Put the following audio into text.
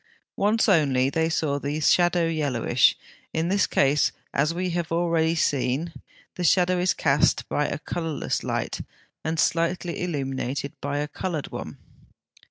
Once only they saw the shadow yellowish: in this case, as we have already seen (70), the shadow is cast by a colourless light, and slightly illumined by a coloured one.